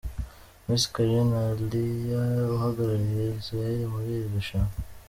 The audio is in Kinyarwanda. Miss Karin Alia uhagarariye Israel muri iri rushanwa.